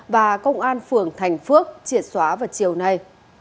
và công an phường thành phước triệt xóa vào chiều nay